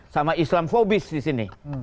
sama islam fobis disini